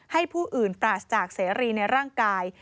ผู้อื่นปราศจากเสรีในร่างกาย